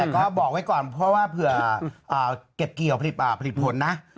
แต่ก็บอกไว้ก่อนเผื่อเก็บเกี่ยวปฏิผลนะ